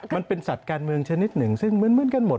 มันเป็นสัตว์การเมืองชนิดหนึ่งซึ่งเหมือนกันหมด